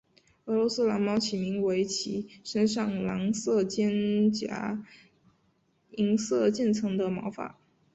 俄罗斯蓝猫起名为其身上蓝色间杂银色渐层的毛发。